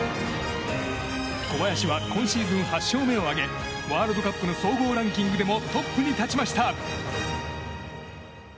小林は今シーズン８勝目を挙げワールドカップの総合ランキングでもトップに立ちました。